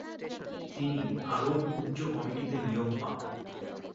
তিনি আরব উচ্চ কমিটিতে নিয়োগ পান।